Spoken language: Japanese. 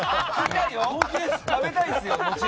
食べたいですよ。